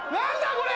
これ！